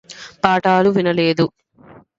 పాఠాలు వినలేడు